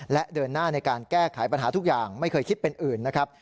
และเดินหน้าในการแก้ไขปัญหาทุกอย่างไม่เคยคิดเป็นอื่นนะครับ